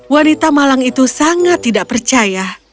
wanita malang itu sangat tidak percaya